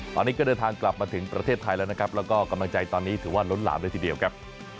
ตอนนี้ก็เดินทางกลับมาถึงประเทศไทยแล้วนะครับแล้วก็กำลังใจตอนนี้ถือว่าล้นหลามเลยทีเดียวครับ